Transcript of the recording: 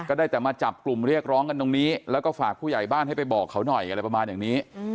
ได้แต่มาจับกลุ่มเรียกร้องกันตรงนี้แล้วก็ฝากผู้ใหญ่บ้านให้ไปบอกเขาหน่อยอะไรประมาณอย่างนี้